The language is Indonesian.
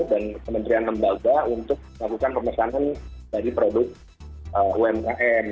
dan kementerian lembaga untuk melakukan pemesanan dari produk umkm